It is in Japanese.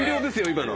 今の。